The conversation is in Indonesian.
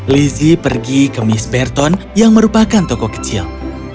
lizzie pergi ke miss berton yang merupakan toko kecil